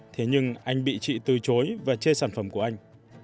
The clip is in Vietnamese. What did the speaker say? thế nhưng anh bị chị từ chối và chê sản phẩm của anh